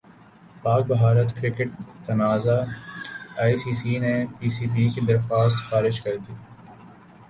پاک بھارت کرکٹ تنازع I C سی نے پی سی بی کی درخواست خارج کردی